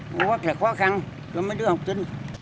nó rất là khó khăn cho mấy đứa học sinh